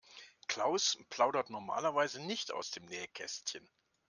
Klaus plaudert normalerweise nicht aus dem Nähkästchen.